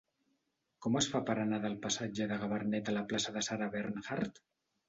Com es fa per anar del passatge de Gabarnet a la plaça de Sarah Bernhardt?